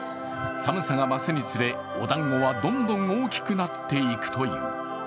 寒さが増すにつれ、おだんごはどんどん大きくなっていくという。